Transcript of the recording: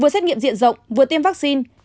vừa xét nghiệm diện rộng vừa tiêm vaccine